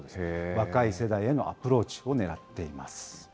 若い世代へのアプローチをねらっています。